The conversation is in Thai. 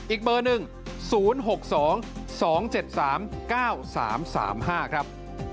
๐๖๒๒๗๓๙๓๙๖อีกเบอร์หนึ่ง๐๖๒๒๗๓๙๓๓๕ครับ